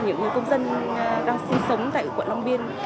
những người công dân đang sinh sống tại ủy quận long biên